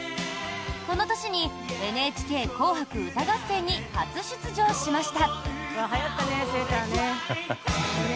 この年に「ＮＨＫ紅白歌合戦」に初出場しました。